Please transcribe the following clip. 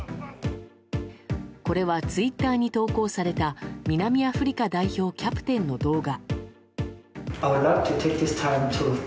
これは、ツイッターに投稿された南アフリカ代表キャプテンの動画。